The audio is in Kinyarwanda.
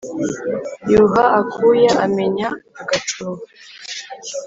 Yuha akuya amenya agacuho.